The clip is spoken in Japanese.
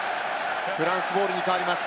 フランスボールに変わります。